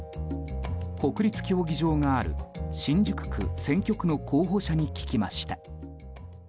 国立競技場がある新宿区選挙区の候補者に聞きました。